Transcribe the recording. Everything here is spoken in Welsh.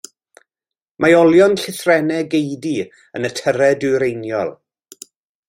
Mae olion llithrennau geudy yn y tyrau dwyreiniol.